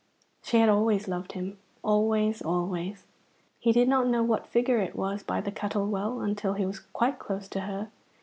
She had always loved him always, always. He did not know what figure it was by the Cuttle Well until he was quite close to her.